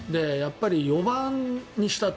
４番にしたと。